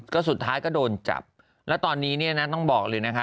ก็สุดท้ายก็โดนจับแล้วตอนนี้เนี่ยนะต้องบอกเลยนะคะ